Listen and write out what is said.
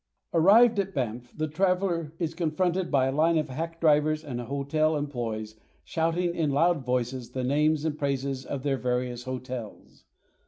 Arrived at Banff, the traveller is confronted by a line of hack drivers and hotel employes shouting in loud voices the names and praises of their various hotels.